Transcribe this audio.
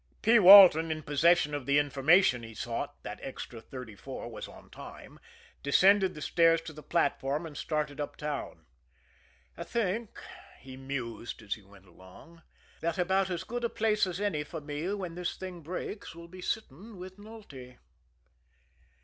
P. Walton, in possession of the information he sought that Extra No. 34 was on time descended the stairs to the platform, and started uptown. "I think," he mused, as he went along, "that about as good a place as any for me when this thing breaks will be sitting with Nulty."